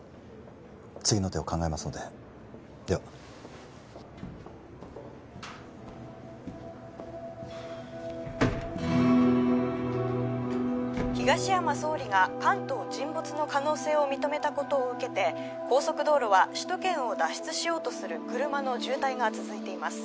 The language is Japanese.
次の手を考えますのででは東山総理が関東沈没の可能性を認めたことを受けて高速道路は首都圏を脱出しようとする車の渋滞が続いています